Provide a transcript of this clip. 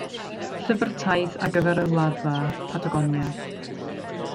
Llyfr taith ar gyfer y Wladfa, Patagonia.